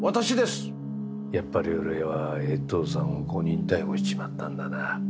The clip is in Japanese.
やっぱり俺は衛藤さんを誤認逮捕しちまったんだな。